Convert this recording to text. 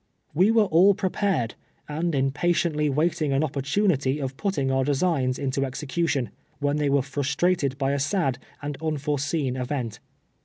We were all prepared, and impatiently ■\vaitin12; an opportnnity of pntting" our desii>;ns into execution, when tliey were frustrated by a sad and unforeseen event.